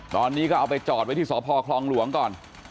ตอนนี้ก็เอาไปจอดไว้ที่สพคลองหลวงก่อน